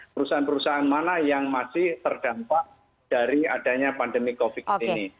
perusahaan perusahaan mana yang masih terdampak dari adanya pandemi covid ini